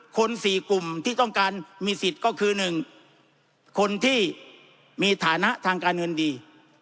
คน๔กลุ่มที่ต้องการมีสิทธิ์ก็คือ๑คนที่มีฐานะทางการเงินดี